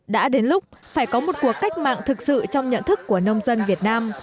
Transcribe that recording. đã đến lúc phải có một cuộc cách mạng thực sự trong nhận thức của nông dân việt nam